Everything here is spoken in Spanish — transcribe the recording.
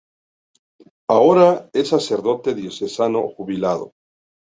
Ahora es sacerdote diocesano jubilado.